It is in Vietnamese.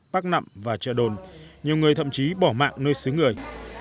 bắc nậm và chợ đồn nhiều người thậm chí bỏ mạng nơi xứ người